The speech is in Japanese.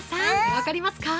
分かりますか？